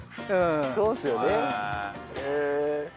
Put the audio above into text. そうですよね。